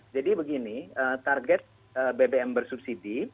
jadi begini target bbm bersubsidi